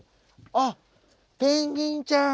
あっペンギンちゃん！